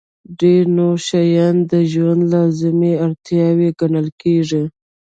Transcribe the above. ډېر نور شیان د ژوند لازمي اړتیاوې ګڼل کېږي.